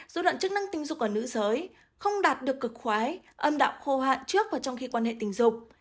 dối loạn chức năng tình dục ở nữ giới không đạt được cực khoái âm đạo khô hạn trước và trong khi quan hệ tình dục